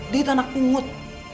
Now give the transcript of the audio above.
dia itu anak unggut